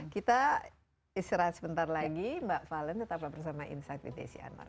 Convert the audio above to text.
kita istirahat sebentar lagi mbak valen tetaplah bersama insight with desi anwar